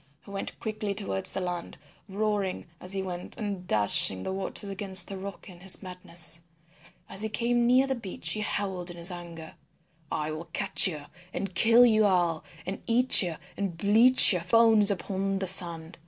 He went quickly towards the land, roaring as he went and dashing the waters against the rocks in his madness. As he came near the beach he howled in his anger, "I will catch you and kill you all and eat you and bleach your bones upon the sand."